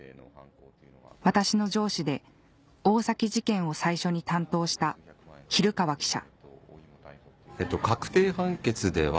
私の上司で大崎事件を最初に担当した蛭川記者